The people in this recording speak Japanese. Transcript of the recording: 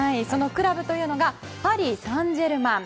クラブというのがパリ・サンジェルマン。